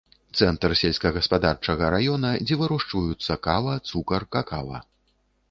Цэнтр сельскагаспадарчага рэгіёна, дзе вырошчваюцца кава, цукар, какава.